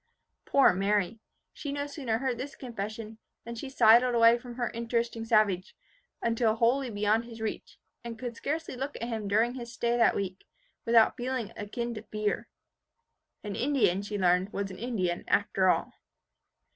Poor Mary! She no sooner heard this confession, than she sidled away from her interesting savage, until wholly beyond his reach, and could scarcely look at him during his stay that week, without feelings akin to fear. An Indian, she learned, was an Indian after all.